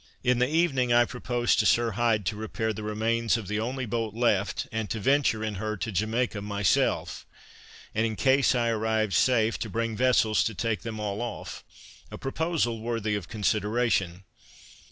In the evening I proposed to Sir Hyde to repair the remains of the only boat left, and to venture in her to Jamaica myself; and in case I arrived safe, to bring vessels to take them all off; a proposal worthy of consideration.